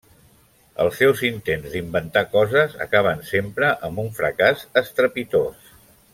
Els seus intents d'inventar coses acaben sempre amb un fracàs estrepitós.